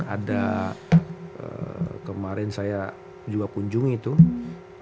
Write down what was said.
ada kemarin saya juga kunjungi tuh